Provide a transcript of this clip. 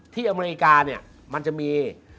ที่อเมริกามันจะมี